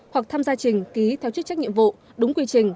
hoặc tham gia trình ký theo chức trách nhiệm vụ đúng quy trình